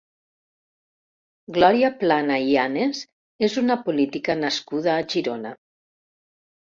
Glòria Plana Yanes és una política nascuda a Girona.